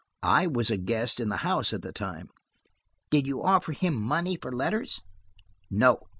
"I was a guest in the house at the time." "Did you offer him money for letters?" "No."